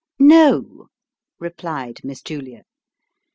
" No," replied Miss Julia.